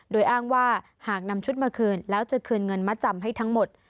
โดยอ้างว่าหากนำชุดมาคืนแล้วจะคืนเงินมาจำให้ทั้งหมด